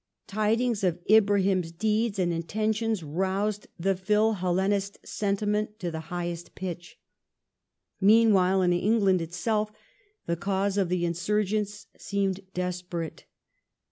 Tidings of Ibrahim's deeds and intentions roused the Phil Hellenist sentiment to the highest pitch. Meanwhile, in Greece itself the cause of the insurgents seemed desperate.